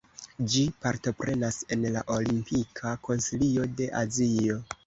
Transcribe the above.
Ĝi partoprenas en la Olimpika Konsilio de Azio.